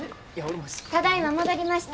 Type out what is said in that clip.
ただいま戻りました。